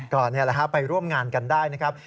ต่อแล้วไปร่วมงานกันได้นะครับ